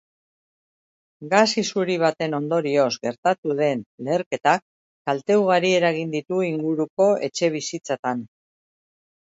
Gas isuri baten ondorioz gertatu den leherketak kalte ugari eragin ditu inguruko etxebizitzatan.